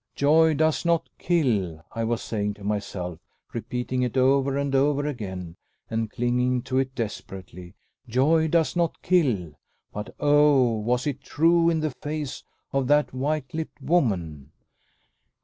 "Joy does not kill," I was saying to myself, repeating it over and over again, and clinging to it desperately. "Joy does not kill!" But oh! was it true in the face of that white lipped woman?